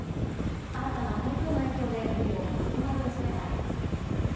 新たな台風の影響で雨量がまとまる恐れがあります。